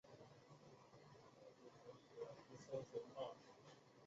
樱井松平家松平内膳信定为家祖的松平氏庶流。